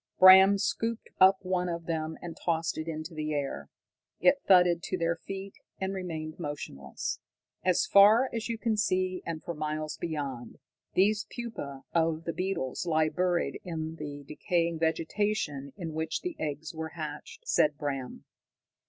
Bram scooped up one of them and tossed it into the air. It thudded to their feet and remained motionless. "As far as you can see, and for miles beyond, these pupae of the beetles lie buried in the decaying vegetation in which the eggs were hatched," said Bram.